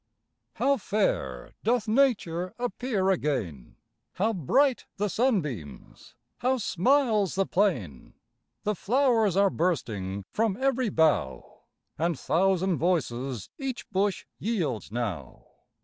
How fair doth Nature Appear again! How bright the sunbeams! How smiles the plain! The flow'rs are bursting From ev'ry bough, And thousand voices Each bush yields now.